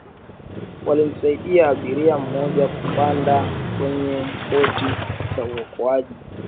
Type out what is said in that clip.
walimsaidia abiria mmoja kupanda kwenye boti za uokoaji